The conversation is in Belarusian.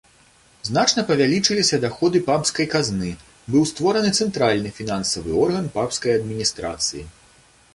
Значна павялічыліся даходы папскай казны, быў створаны цэнтральны фінансавы орган папскай адміністрацыі.